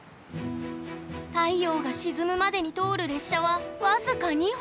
太陽が沈むまでに通る列車は僅か２本！